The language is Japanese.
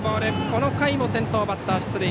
この回も先頭バッター出塁。